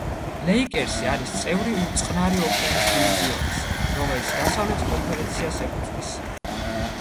ლეიკერსი არის წევრი წყნარი ოკეანის დივიზიონის, რომელიც დასავლეთ კონფერენციას ეკუთვნის.